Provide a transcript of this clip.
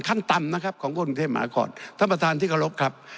ขั้นต่ำนะครับของคนกรุงเทพฯหมาละครท่านประธานธิกรกครับ